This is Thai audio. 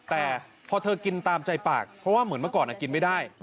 แต่พอเธอกินตามใจปากเพราะว่าเหมือนเมื่อก่อนกินไม่ได้